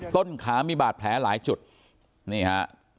ต้นขามีบาดแผลหลายจุดนี่ฮะ